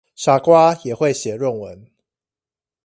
傻瓜也會寫論文